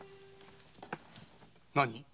何！？